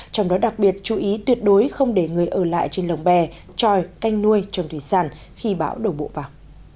trong đó đặc biệt chú ý tuyệt đối không để người ở lại trên lồng bè tròi canh nuôi trồng thủy sản khi bão đổ bộ vào